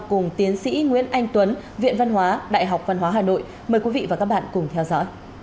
cùng tiến sĩ nguyễn anh tuấn viện văn hóa đại học văn hóa hà nội mời quý vị và các bạn cùng theo dõi